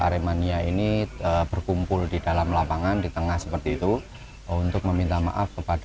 aremania ini berkumpul di dalam lapangan di tengah seperti itu untuk meminta maaf kepada